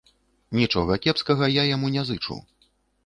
Нічога кепскага я яму не зычу.